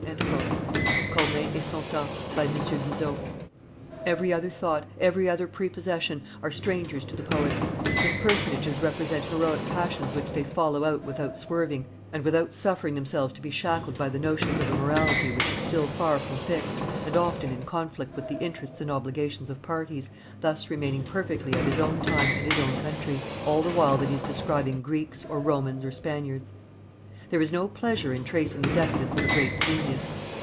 (Corneille et son temps, by M. Guizot.) Every other thought, every other prepossession, are strangers to the poet; his personages represent heroic passions which they follow out without swerving and without suffering themselves to be shackled by the notions of a morality which is still far from fixed and often in conflict with the interests and obligations of parties, thus remaining perfectly of his own time and his own country, all the while that he is describing Greeks, or Romans, or Spaniards. [Illustration: Corneille reading to Louis XIV. 642] There is no pleasure in tracing the decadence of a great genius.